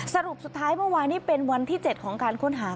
สรุปสุดท้ายเมื่อวานนี้เป็นวันที่๗ของการค้นหา